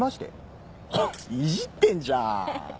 いじってんじゃん。